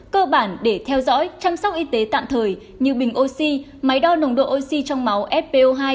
cơ bản để theo dõi chăm sóc y tế tạm thời như bình oxy máy đo nồng độ oxy trong máu fpo hai